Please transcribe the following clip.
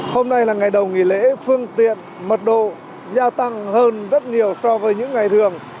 hôm nay là ngày đầu nghỉ lễ phương tiện mật độ gia tăng hơn rất nhiều so với những ngày thường